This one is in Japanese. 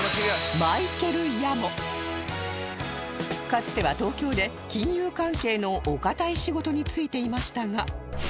かつては東京で金融関係のお堅い仕事に就いていましたが